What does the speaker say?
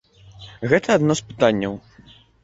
Гэта адно з пытанняў.